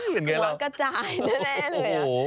หัวกระจายแน่เลย